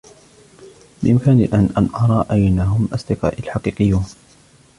بإمكاني الآن أن أرى أين هم أصدقائي الحقيقيون.